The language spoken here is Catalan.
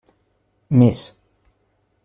Més.